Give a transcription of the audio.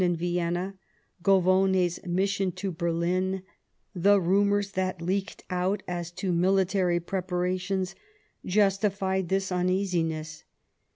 nd Vienna, Govone's mission to Berlin, the rumours that leaked out as to military preparations, justified this uneasiness.